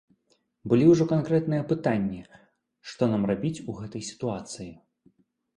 Былі ўжо канкрэтныя пытанні, што нам рабіць у гэтай сітуацыі.